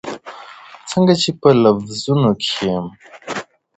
څنګه چي په لفظونو کښې یم